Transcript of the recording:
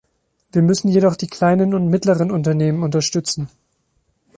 Wir müssen jedoch die kleinen und mittleren Unternehmen unterstützen.